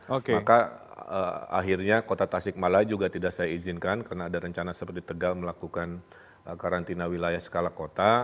maka akhirnya kota tasikmala juga tidak saya izinkan karena ada rencana seperti tegal melakukan karantina wilayah skala kota